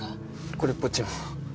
これっぽっちも。